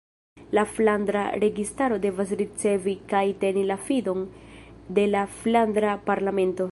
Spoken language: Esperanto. La Flandra Registaro devas ricevi kaj teni la fidon de la Flandra Parlamento.